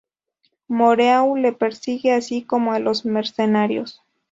Moreau les persigue, así como a los mercenarios.